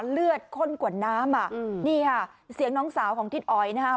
เลือดข้นกว่าน้ำอ่ะนี่ค่ะเสียงน้องสาวของทิศอ๋อยนะครับ